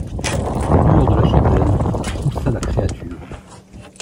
A la lueur de la chandelle, il troussa la créature.